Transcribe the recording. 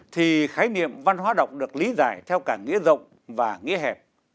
thì khái niệm văn hóa đọc được lý giải theo cả nghĩa rộng và nghĩa hẹp